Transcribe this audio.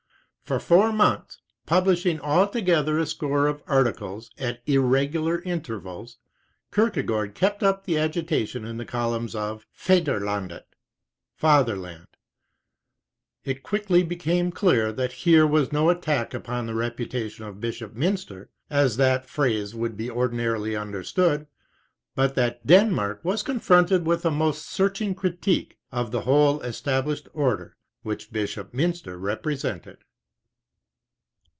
For four months, publishing altogether a score of articles at irregular intervals, Kierkegaard kept up the agitation in the columns of Fadre Icwdet. It quickly became clear that here was no attack upon the reputation of Bishop Mynster, as that phrase would be ordinarily understood, but that Denmark was confronted with a most searching critique of the whole established order which Bishop Mynster represented.